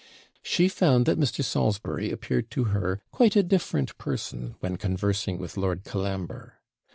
She found that Mr. Salisbury appeared to her quite a different person when conversing with Lord Colambre.